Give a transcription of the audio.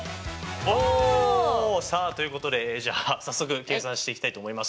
オ！さあということでじゃあ早速計算していきたいと思います。